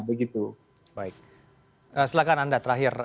silahkan anda terakhir